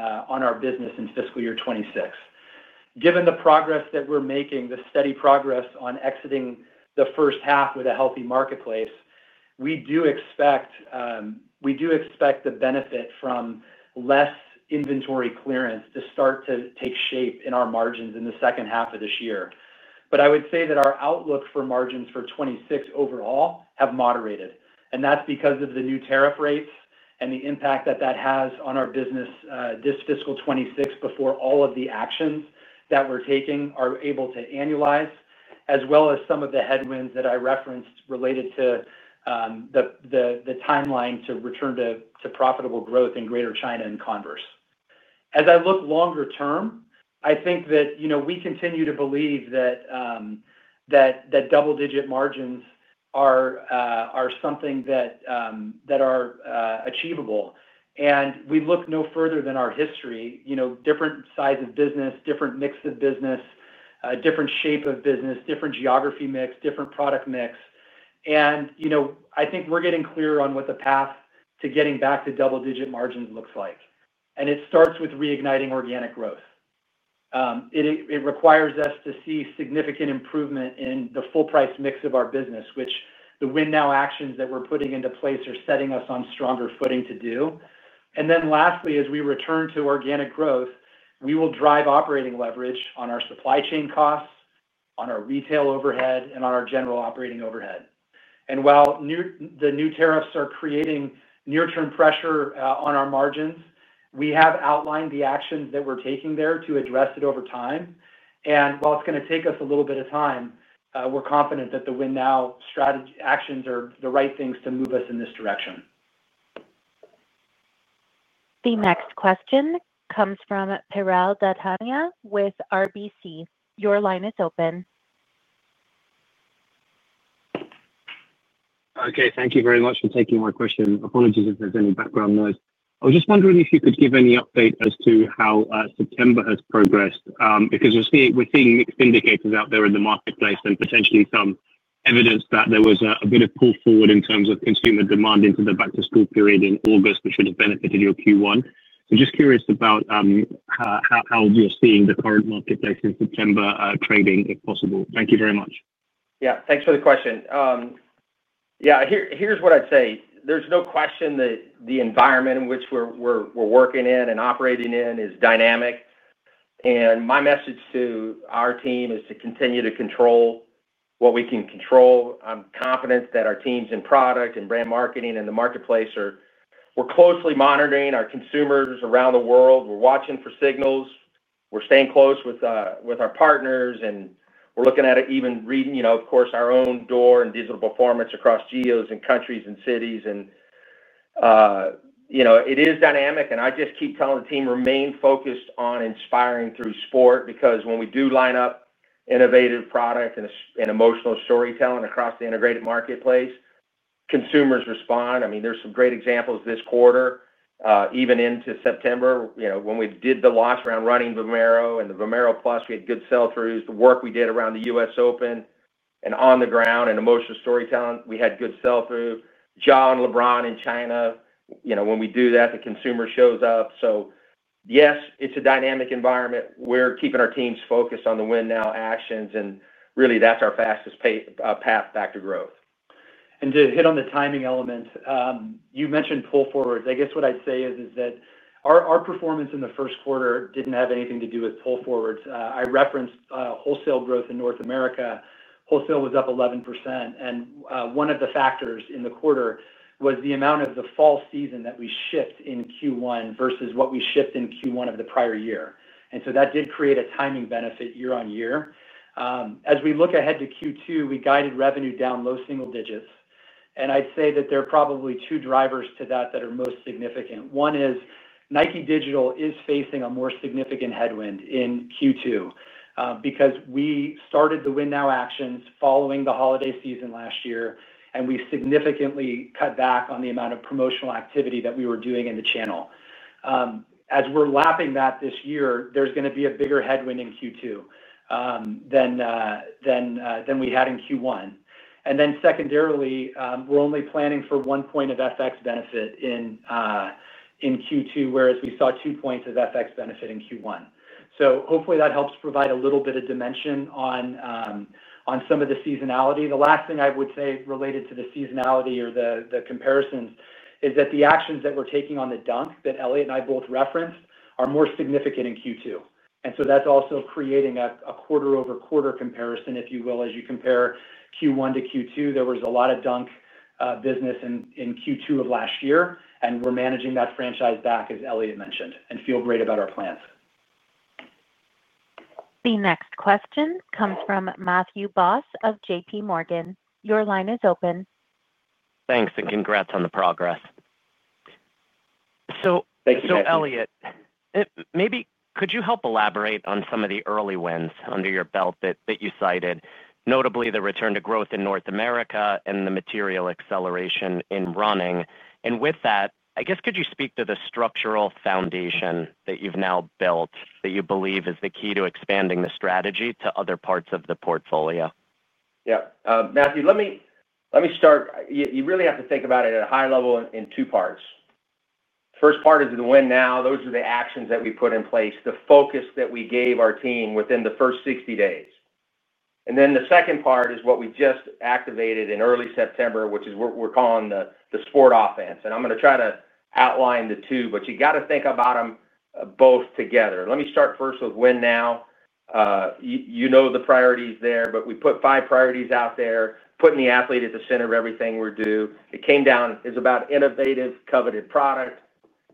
our business in fiscal year 2026. Given the progress that we're making, the steady progress on exiting the first half with a healthy marketplace, we do expect the benefit from less inventory clearance to start to take shape in our margins in the second half of this year. I would say that our outlook for margins for 2026 overall have moderated. That's because of the new tariff rates and the impact that that has on our business this fiscal 2026 before all of the actions that we're taking are able to annualize, as well as some of the headwinds that I referenced related to the timeline to return to profitable growth in Greater China and Converse. As I look longer term, I think that we continue to believe that double-digit margins are something that are achievable. We look no further than our history, different size of business, different mix of business, different shape of business, different geography mix, different product mix. I think we're getting clear on what the path to getting back to double-digit margins looks like. It starts with reigniting organic growth. It requires us to see significant improvement in the full-price mix of our business, which the Win Now actions that we're putting into place are setting us on stronger footing to do. Lastly, as we return to organic growth, we will drive operating leverage on our supply chain costs, on our retail overhead, and on our general operating overhead. While the new tariffs are creating near-term pressure on our margins, we have outlined the actions that we're taking there to address it over time. While it's going to take us a little bit of time, we're confident that the Win Now strategy actions are the right things to move us in this direction. The next question comes from Piral Dadhania with RBC. Your line is open. Okay. Thank you very much for taking our question. Apologies if there's any background noise. I was just wondering if you could give any update as to how September has progressed because we're seeing indicators out there in the marketplace and potentially some evidence that there was a bit of pull forward in terms of consumer demand into the back-to-school period in August, which would have benefited your Q1. We're just curious about how we are seeing the current marketplace in September trading, if possible. Thank you very much. Yeah. Thanks for the question. Here's what I'd say. There's no question that the environment in which we're working in and operating in is dynamic. My message to our team is to continue to control what we can control. I'm confident that our teams in product and brand marketing and the marketplace are. We're closely monitoring our consumers around the world. We're watching for signals. We're staying close with our partners, and we're looking at it, even reading, you know, of course, our own door and digital performance across geos and countries and cities. It is dynamic. I just keep telling the team, "Remain focused on inspiring through sport," because when we do line up innovative product and emotional storytelling across the integrated marketplace, consumers respond. I mean, there's some great examples this quarter, even into September. You know, when we did the launch around running Vomero and the Vomero Plus, we had good sell-throughs. The work we did around the US Open and on the ground and emotional storytelling, we had good sell-through. Ja and LeBron in China, you know, when we do that, the consumer shows up. Yes, it's a dynamic environment. We're keeping our teams focused on the Win Now actions, and really, that's our fastest path back to growth. To hit on the timing element, you mentioned pull forwards. What I'd say is that our performance in the first quarter didn't have anything to do with pull forwards. I referenced wholesale growth in North America. Wholesale was up 11%. One of the factors in the quarter was the amount of the fall season that we shipped in Q1 versus what we shipped in Q1 of the prior year, and that did create a timing benefit year on year. As we look ahead to Q2, we guided revenue down low single digits. I'd say that there are probably two drivers to that that are most significant. One is Nike Digital is facing a more significant headwind in Q2 because we started the Win Now actions following the holiday season last year, and we significantly cut back on the amount of promotional activity that we were doing in the channel. As we're lapping that this year, there's going to be a bigger headwind in Q2 than we had in Q1. Secondarily, we're only planning for one point of FX benefit in Q2, whereas we saw two points of FX benefit in Q1. Hopefully, that helps provide a little bit of dimension on some of the seasonality. The last thing I would say related to the seasonality or the comparisons is that the actions that we're taking on the Dunk that Elliott and I both referenced are more significant in Q2, and that's also creating a quarter-over-quarter comparison, if you will, as you compare Q1 to Q2. There was a lot of Dunk business in Q2 of last year, and we're managing that franchise back, as Elliott mentioned, and feel great about our plans. The next question comes from Matthew Boss of JPMorgan. Your line is open. Thanks, and congrats on the progress. Thank you. Elliott, maybe could you help elaborate on some of the early wins under your belt that you cited, notably the return to growth in North America and the material acceleration in running? With that, I guess could you speak to the structural foundation that you've now built that you believe is the key to expanding the strategy to other parts of the portfolio? Yeah. Matthew, let me start. You really have to think about it at a high level in two parts. The first part is the Win Now. Those are the actions that we put in place, the focus that we gave our team within the first 60 days. The second part is what we just activated in early September, which is what we're calling the Sport Offense. I'm going to try to outline the two, but you got to think about them both together. Let me start first with Win Now. You know the priorities there, but we put five priorities out there, putting the athlete at the center of everything we do. It came down, it's about innovative, coveted product.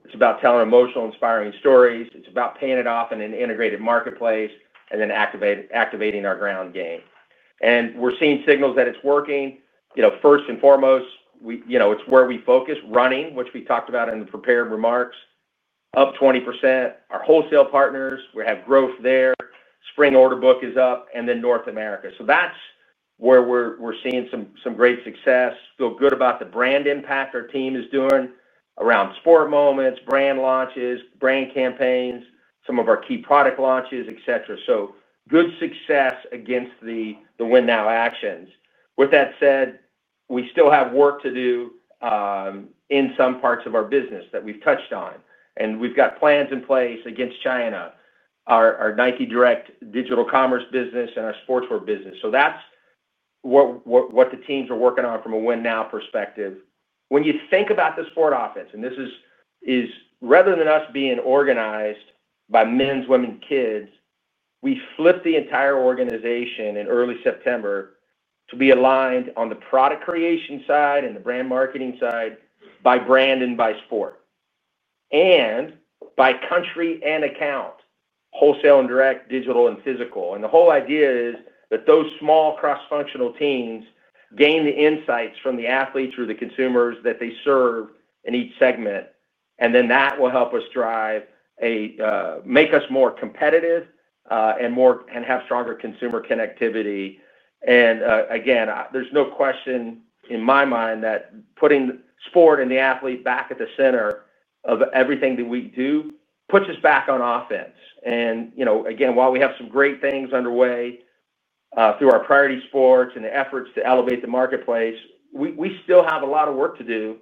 It's about telling emotional, inspiring stories. It's about paying it off in an integrated marketplace and then activating our ground game. We're seeing signals that it's working. First and foremost, it's where we focus, running, which we talked about in the prepared remarks, up 20%. Our wholesale partners, we have growth there. Spring order book is up, and then North America. That's where we're seeing some great success. Feel good about the brand impact our team is doing around sport moments, brand launches, brand campaigns, some of our key product launches, et cetera. Good success against the Win Now actions. With that said, we still have work to do in some parts of our business that we've touched on. We've got plans in place against Greater China, our Nike Direct digital commerce business, and our sportswear business. That's what the teams are working on from a Win Now perspective. When you think about the Sport Offense, this is rather than us being organized by men's, women, kids, we flipped the entire organization in early September to be aligned on the product creation side and the brand marketing side by brand and by sport and by country and account, wholesale and direct, digital and physical. The whole idea is that those small cross-functional teams gain the insights from the athletes or the consumers that they serve in each segment. That will help us drive and make us more competitive and have stronger consumer connectivity. Again, there's no question in my mind that putting sport and the athlete back at the center of everything that we do puts us back on offense. While we have some great things underway through our priority sports and efforts to elevate the marketplace, we still have a lot of work to do.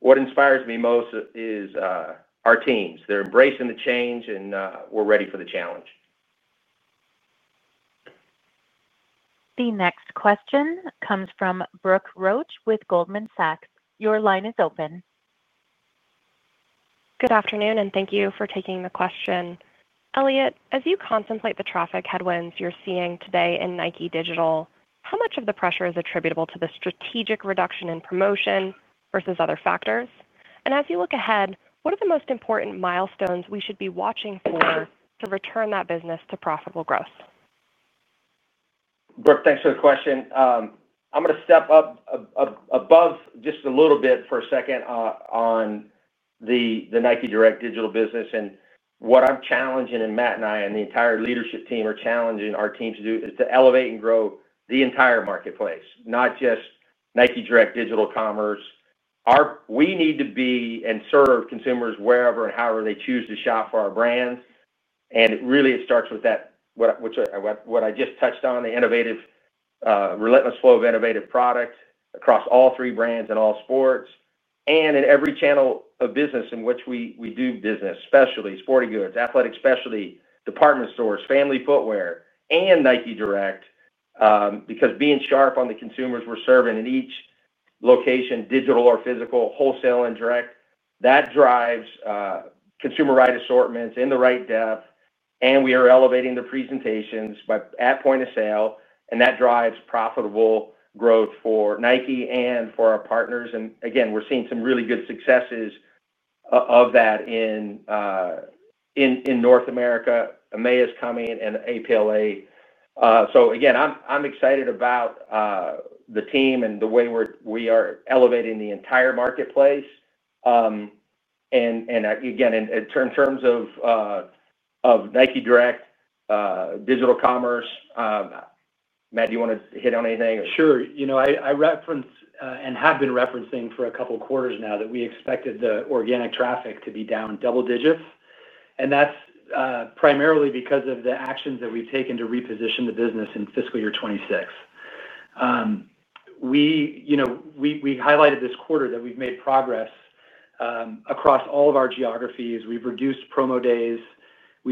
What inspires me most is our teams. They're embracing the change, and we're ready for the challenge. The next question comes from Brooke Roach with Goldman Sachs. Your line is open. Good afternoon, and thank you for taking the question. Elliott, as you contemplate the traffic headwinds you're seeing today in Nike Digital, how much of the pressure is attributable to the strategic reduction in promotion versus other factors? As you look ahead, what are the most important milestones we should be watching for to return that business to profitable growth? Brooke, thanks for the question. I'm going to step up above just a little bit for a second on the Nike Direct digital business. What I'm challenging, and Matt and I and the entire leadership team are challenging our teams to do, is to elevate and grow the entire marketplace, not just Nike Direct digital commerce. We need to be and serve consumers wherever and however they choose to shop for our brands. It really starts with that, which is what I just touched on, the innovative, relentless flow of innovative product across all three brands and all sports and in every channel of business in which we do business, especially sporting goods, athletic specialty, department stores, family footwear, and Nike Direct. Being sharp on the consumers we're serving in each location, digital or physical, wholesale and direct, drives consumer right assortments in the right depth. We are elevating the presentations at point of sale, and that drives profitable growth for Nike and for our partners. We are seeing some really good successes of that in North America, EMEA is coming in, and APLA. I'm excited about the team and the way we are elevating the entire marketplace. In terms of Nike Direct digital commerce, Matt, do you want to hit on anything? Sure. I referenced and have been referencing for a couple of quarters now that we expected the organic traffic to be down double digits. That's primarily because of the actions that we've taken to reposition the business in fiscal year 2026. We highlighted this quarter that we've made progress across all of our geographies. We've reduced promo days,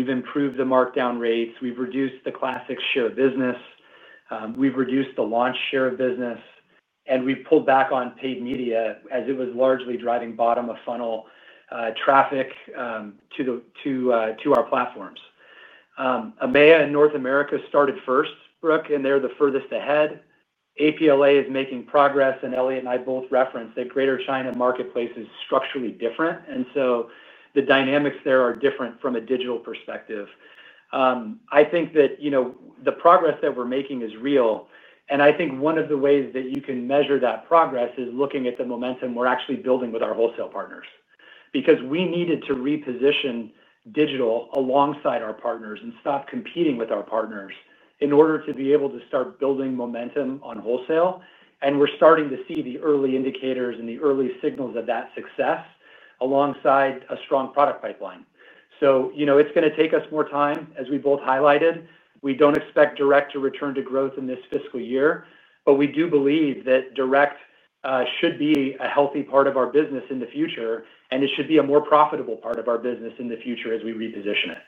improved the markdown rates, reduced the classic share of business, reduced the launch share of business, and we've pulled back on paid media as it was largely driving bottom-of-funnel traffic to our platforms. EMEA and North America started first, Brooke, and they're the furthest ahead. APLA is making progress, and Elliott and I both referenced that Greater China marketplace is structurally different. The dynamics there are different from a digital perspective. I think that the progress that we're making is real. I think one of the ways that you can measure that progress is looking at the momentum we're actually building with our wholesale partners because we needed to reposition digital alongside our partners and stop competing with our partners in order to be able to start building momentum on wholesale. We're starting to see the early indicators and the early signals of that success alongside a strong product pipeline. It's going to take us more time, as we both highlighted. We don't expect Direct to return to growth in this fiscal year, but we do believe that Direct should be a healthy part of our business in the future, and it should be a more profitable part of our business in the future as we reposition it.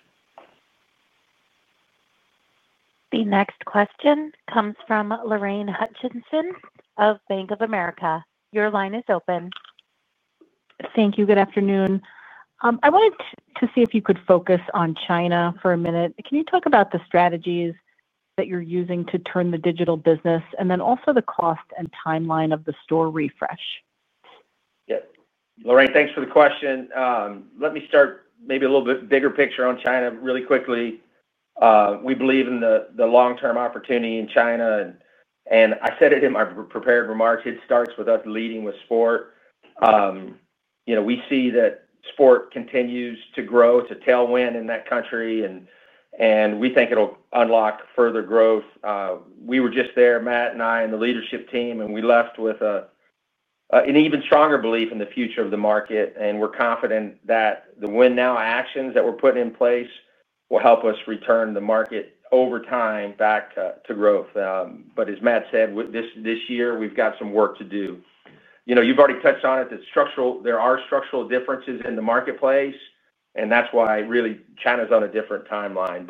The next question comes from Lorraine Hutchinson of Bank of America. Your line is open. Thank you. Good afternoon. I wanted to see if you could focus on China for a minute. Can you talk about the strategies that you're using to turn the digital business, and then also the cost and timeline of the store refresh? Yeah. Lorraine, thanks for the question. Let me start maybe a little bit bigger picture on China really quickly. We believe in the long-term opportunity in China. I said it in my prepared remarks. It starts with us leading with sport. We see that sport continues to grow, it's a tailwind in that country, and we think it'll unlock further growth. We were just there, Matt and I and the leadership team, and we left with an even stronger belief in the future of the market. We're confident that the Win Now actions that we're putting in place will help us return the market over time back to growth. As Matt said, this year, we've got some work to do. You've already touched on it that there are structural differences in the marketplace, and that's why really China's on a different timeline.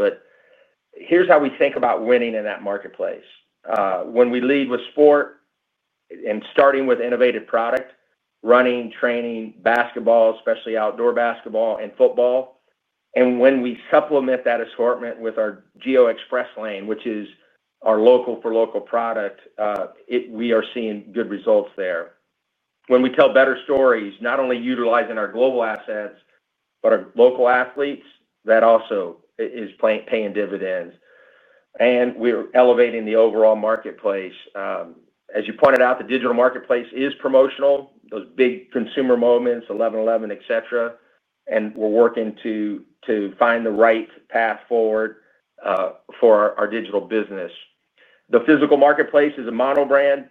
Here's how we think about winning in that marketplace. When we lead with sport and starting with innovative product, running, training, basketball, especially outdoor basketball and football, and when we supplement that assortment with our Geo Express Lane, which is our local-for-local product, we are seeing good results there. When we tell better stories, not only utilizing our global assets, but our local athletes, that also is paying dividends. We're elevating the overall marketplace. As you pointed out, the digital marketplace is promotional, those big consumer moments, 11/11, etc. We're working to find the right path forward for our digital business. The physical marketplace is a monobrand.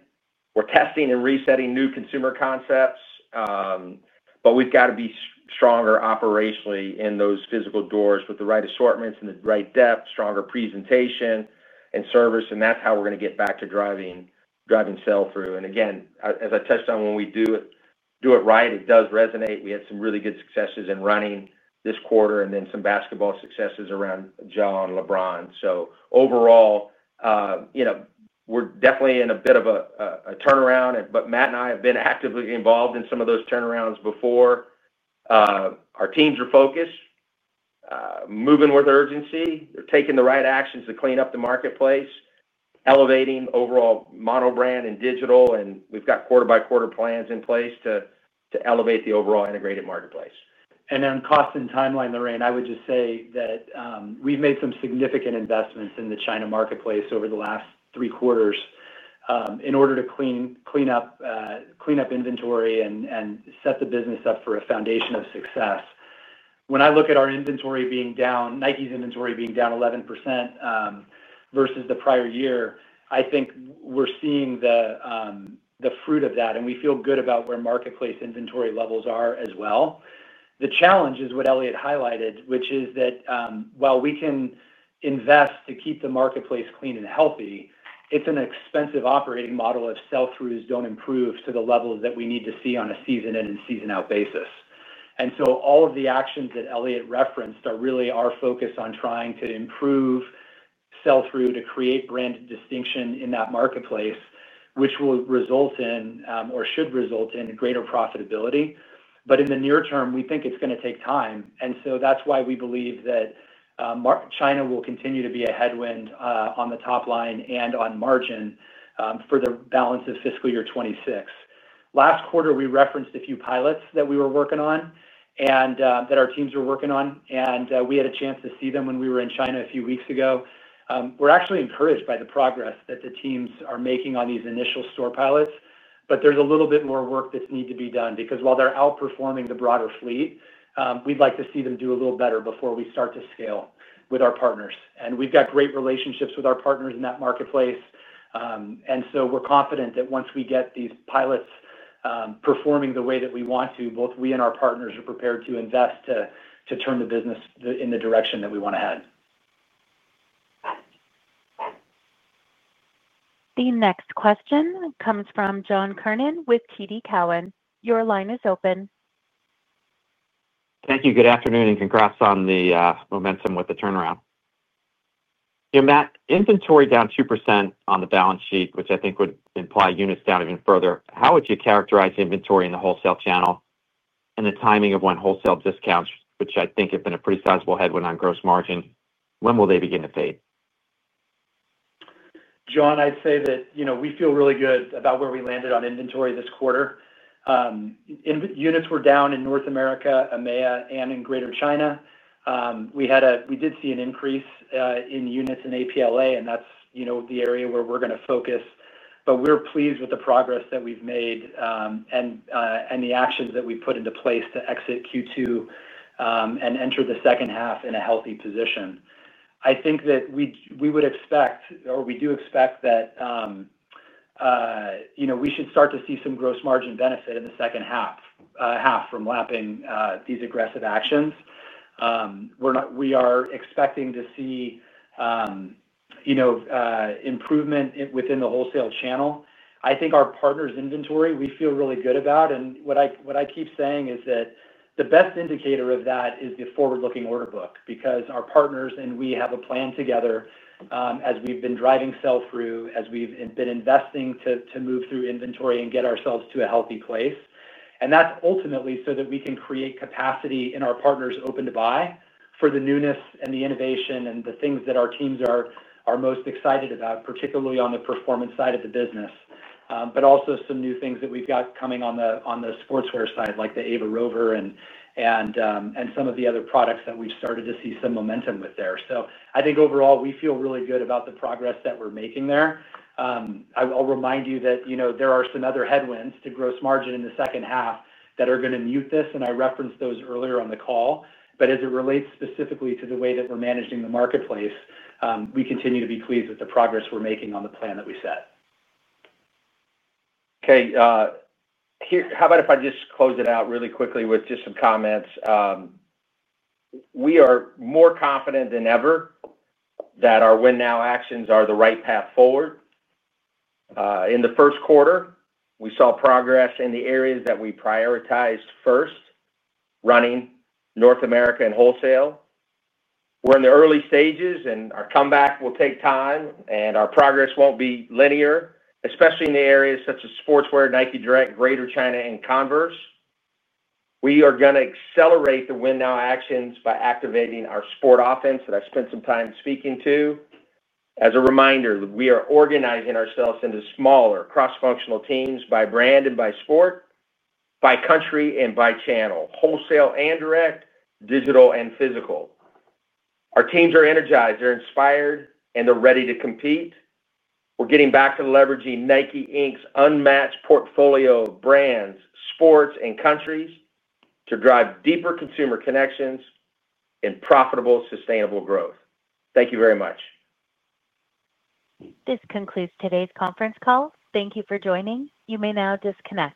We're testing and resetting new consumer concepts, but we've got to be stronger operationally in those physical doors with the right assortments and the right depth, stronger presentation and service. That's how we're going to get back to driving sell-through. As I touched on, when we do it right, it does resonate. We had some really good successes in running this quarter and then some basketball successes around Ja and LeBron. Overall, we're definitely in a bit of a turnaround. Matt and I have been actively involved in some of those turnarounds before. Our teams are focused, moving with urgency. They're taking the right actions to clean up the marketplace, elevating overall monobrand and digital. We've got quarter-by-quarter plans in place to elevate the overall integrated marketplace. On cost and timeline, Lorraine, I would just say that we've made some significant investments in the China marketplace over the last three quarters in order to clean up inventory and set the business up for a foundation of success. When I look at our inventory being down, Nike's inventory being down 11% versus the prior year, I think we're seeing the fruit of that. We feel good about where marketplace inventory levels are as well. The challenge is what Elliott highlighted, which is that while we can invest to keep the marketplace clean and healthy, it's an expensive operating model if sell-throughs don't improve to the levels that we need to see on a season-in and season-out basis. All of the actions that Elliott referenced are really our focus on trying to improve sell-through to create brand distinction in that marketplace, which will result in or should result in greater profitability. In the near term, we think it's going to take time. That's why we believe that China will continue to be a headwind on the top line and on margin for the balance of fiscal year 2026. Last quarter, we referenced a few pilots that we were working on and that our teams were working on. We had a chance to see them when we were in China a few weeks ago. We're actually encouraged by the progress that the teams are making on these initial store pilots. There's a little bit more work that needs to be done because while they're outperforming the broader fleet, we'd like to see them do a little better before we start to scale with our partners. We've got great relationships with our partners in that marketplace. We're confident that once we get these pilots performing the way that we want to, both we and our partners are prepared to invest to turn the business in the direction that we want to head. The next question comes from John Kernan with TD Cowen. Your line is open. Thank you. Good afternoon and congrats on the momentum with the turnaround. Matt, inventory down 2% on the balance sheet, which I think would imply units down even further. How would you characterize inventory in the wholesale channel and the timing of when wholesale discounts, which I think have been a pretty sizable headwind on gross margin, when will they begin to fade? John, I'd say that we feel really good about where we landed on inventory this quarter. Units were down in North America, EMEA, and in Greater China. We did see an increase in units in APLA, and that's the area where we're going to focus. We're pleased with the progress that we've made and the actions that we've put into place to exit Q2 and enter the second half in a healthy position. I think that we would expect, or we do expect, that we should start to see some gross margin benefit in the second half from lapping these aggressive actions. We are expecting to see improvement within the wholesale channel. I think our partners' inventory, we feel really good about. The best indicator of that is the forward-looking order book because our partners and we have a plan together as we've been driving sell-through, as we've been investing to move through inventory and get ourselves to a healthy place. That's ultimately so that we can create capacity in our partners' open to buy for the newness and the innovation and the things that our teams are most excited about, particularly on the performance side of the business, but also some new things that we've got coming on the sportswear side, like the Ava Rover and some of the other products that we've started to see some momentum with there. I think overall, we feel really good about the progress that we're making there. I'll remind you that there are some other headwinds to gross margin in the second half that are going to mute this, and I referenced those earlier on the call. As it relates specifically to the way that we're managing the marketplace, we continue to be pleased with the progress we're making on the plan that we set. Okay. How about if I just close it out really quickly with just some comments? We are more confident than ever that our Win Now actions are the right path forward. In the first quarter, we saw progress in the areas that we prioritized first: running, North America, and wholesale. We're in the early stages, and our comeback will take time, and our progress won't be linear, especially in the areas such as sportswear, Nike Direct, Greater China, and Converse. We are going to accelerate the Win Now actions by activating our Sport Offense that I've spent some time speaking to. As a reminder, we are organizing ourselves into smaller cross-functional teams by brand and by sport, by country and by channel, wholesale and direct, digital and physical. Our teams are energized, they're inspired, and they're ready to compete. We're getting back to leveraging Nike, Inc.'s unmatched portfolio of brands, sports, and countries to drive deeper consumer connections and profitable, sustainable growth. Thank you very much. This concludes today's conference call. Thank you for joining. You may now disconnect.